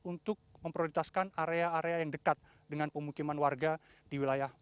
untuk memprioritaskan area area yang dekat dengan pemukiman warga di wilayah